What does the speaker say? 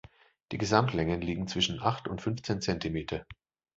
Die Gesamtlängen liegen zwischen acht und fünfzehn Zentimeter.